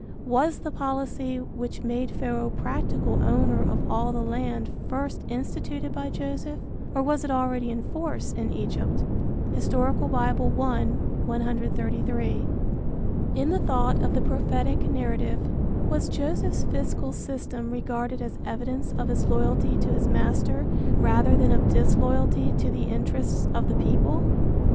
Was the policy which made Pharaoh practical owner of all the land first instituted by Joseph, or was it already in force in Egypt? (Hist. Bible, I, 133.) In the thought of the prophetic narrative, was Joseph's fiscal system regarded as evidence of his loyalty to his master rather than of disloyalty to the interests of the people?